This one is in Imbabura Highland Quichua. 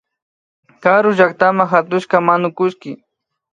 Karu llaktama katushka manukullki